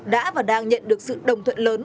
đã và đang nhận được sự đồng thuận lớn